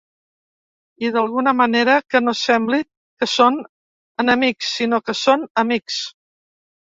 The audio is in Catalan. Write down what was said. I d’alguna manera que no sembli que són enemics, sinó que són amics.